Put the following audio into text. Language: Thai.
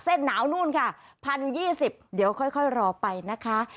หนาวนู่นค่ะ๑๐๒๐เดี๋ยวค่อยรอไปนะคะ